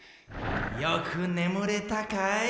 よくねむれたかい？